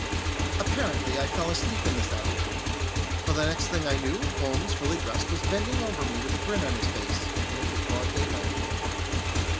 Apparently I fell asleep in this attitude, for the next thing I knew, Holmes, fully dressed, was bending over me with a grin on his face, and it was broad daylight.